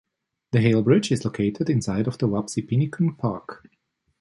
The Hale Bridge is located inside of the Wapsipinicon Park.